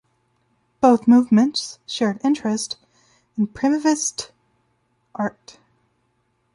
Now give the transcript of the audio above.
Both movements shared interests in primitivist art.